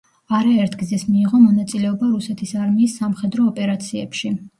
არაერთგზის მიიღო მონაწილეობა რუსეთის არმიის სამხედრო ოპერაციებში.